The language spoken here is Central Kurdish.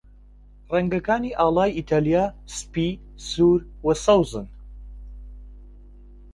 ڕەنگەکانی ئاڵای ئیتاڵیا سپی، سوور، و سەوزن.